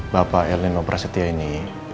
bapak erlin lopra setia ini